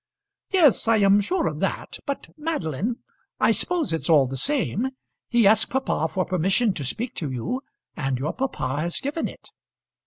"Yes, I am sure of that. But, Madeline, I suppose it's all the same. He asked papa for permission to speak to you, and your papa has given it."